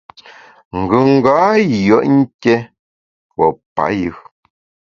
Ngùnga yùet nké pue payù.